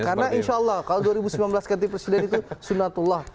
karena insya allah kalau dua ribu sembilan belas ganti presiden itu sunatullah